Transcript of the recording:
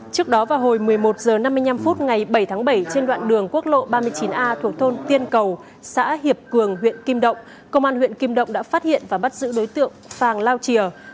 trước đó vào hồi một mươi một h năm mươi năm phút ngày bảy tháng bảy trên đoạn đường quốc lộ ba mươi chín a thuộc thôn tiên cầu xã hiệp cường huyện kim động công an huyện kim động đã phát hiện và bắt giữ đối tượng phàng lao chìa